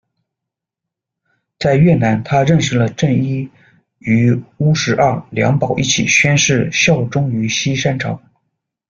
在越南，他认识了郑一，与乌石二、梁宝一起宣誓效忠于西山朝。